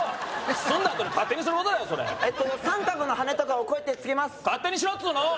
住んだあとに勝手にすることだよそれえっと三角のはねとかをこうやって付けます勝手にしろっつうの！